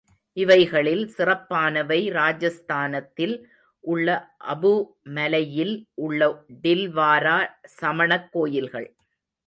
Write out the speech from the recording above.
இவைகளில் சிறப்பானவை ராஜஸ்தானத்தில் உள்ள அபூமலையில் உள்ள டில்வாரா சமணக் கோயில்கள்.